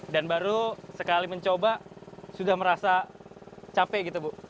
dan baru sekali mencoba sudah merasa capek gitu bu